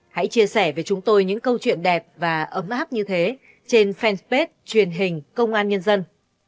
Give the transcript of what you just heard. hãy chia sẻ với chúng tôi những câu chuyện đẹp và ấm áp như thế trên fanpage truyền hình công an nhân dân